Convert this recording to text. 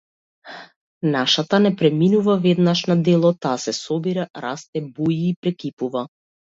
Нашата не преминува веднаш на дело, таа се собира, расте, буи и прекипува.